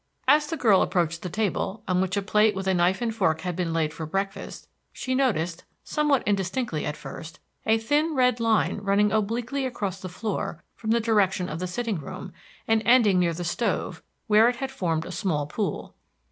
As the girl approached the table, on which a plate with knife and fork had been laid for breakfast, she noticed, somewhat indistinctly at first, a thin red line running obliquely across the floor from the direction of the sitting room and ending near the stove, where it had formed a small pool.